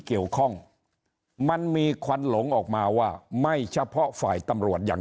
มันมีควันหลงออกมาว่าไม่เฉพาะฝ่ายตำรวจอย่าง